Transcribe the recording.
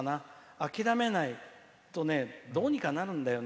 諦めないとどうにかなるんだよね。